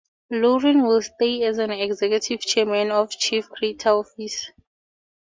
Lauren will stay on as executive chairman and chief creative officer.